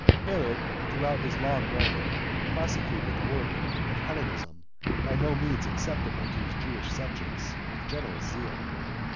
Herod, throughout his long reign, prosecuted th§ work of Hellenism, by no means acceptable to his Jewish subjects, with generous zeal.